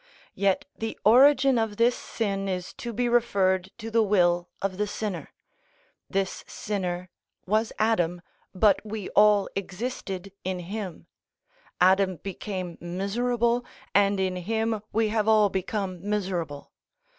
Yet the origin of this sin is to be referred to the will of the sinner. This sinner was Adam, but we all existed in him; Adam became miserable, and in him we have all become miserable.